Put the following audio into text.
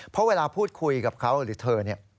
เพราะเวลาพูดคุยกับเขาหรือเธอเนี่ย